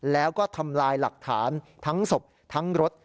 แล้วก็ทำลายหลักฐานทั้งศพทั้งรถ